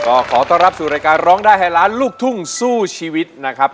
ก็ขอต้อนรับสู่รายการร้องได้ให้ล้านลูกทุ่งสู้ชีวิตนะครับ